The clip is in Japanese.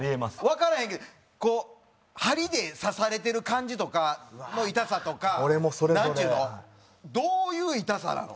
わからへんけど針で刺されてる感じとかの痛さとかなんちゅうのどういう痛さなの？